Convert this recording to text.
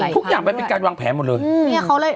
ทุกอย่างมันเป็นการวางแผนหมดเลย